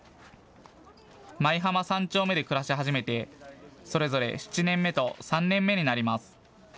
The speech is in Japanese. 舞浜３丁目で暮らし始めてそれぞれ７年目と３年目になります。